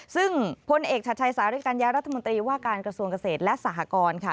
ซึ่งพลเอกชัดชัยสาริกัญญารัฐมนตรีว่าการกระทรวงเกษตรและสหกรค่ะ